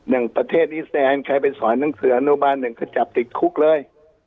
อย่างประเทศอิสแซนใครไปสอนหนังสืออนุบาลหนึ่งก็จับติดคุกเลย